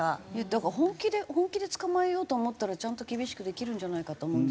だから本気で本気で捕まえようと思ったらちゃんと厳しくできるんじゃないかと思うんですけど。